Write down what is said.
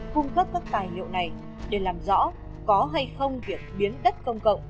cung cấp các tài liệu này để làm rõ có hay không việc biến đất công cộng